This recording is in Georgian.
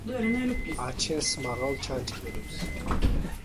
აჩენს მაღალ ჩანჩქერებს.